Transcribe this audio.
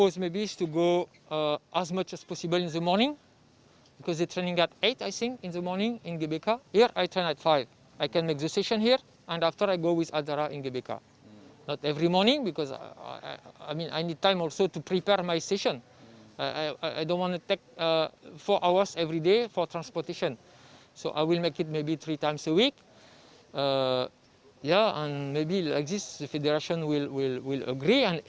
setiap minggu mungkin federasi akan setuju dan semua orang akan menang